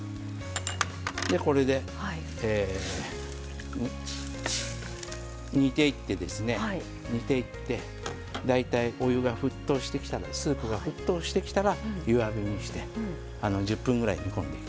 これで煮ていってですね大体お湯が沸騰してきたらスープが沸騰してきたら弱火にして１０分ぐらい煮込んでいきます。